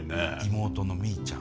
妹のみーちゃん。